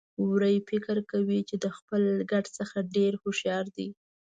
وری فکر کوي چې د خپل ګډ څخه ډېر هوښيار دی.